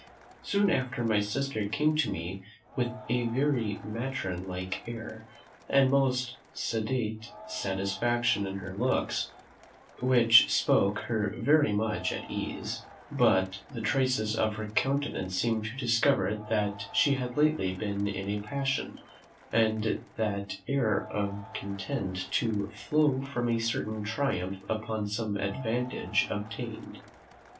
Soon after my sister came to me with a very matron like air, and most sedate satisfaction in her looks, which spoke her very much at ease; but the traces of her countenance seemed to discover that she had lately been in a passion, and that air of content to flow from a certain triumph upon some advantage obtained.